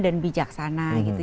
dan bijaksana gitu